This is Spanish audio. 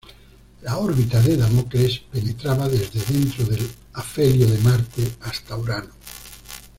La órbita de Damocles penetraba desde dentro del afelio de Marte hasta Urano.